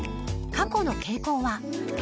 ［過去の傾向は］